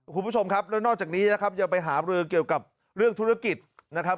คุณผู้ชมครับแล้วนอกจากนี้นะครับยังไปหารือเกี่ยวกับเรื่องธุรกิจนะครับ